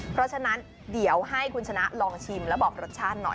เพราะฉะนั้นเดี๋ยวให้คุณชนะลองชิมแล้วบอกรสชาติหน่อย